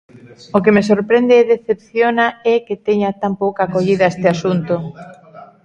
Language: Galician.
O que me sorprende e decepciona é que teña tan pouca acollida este asunto.